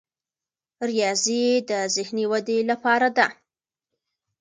ریاضي د ذهني ودې لپاره ده.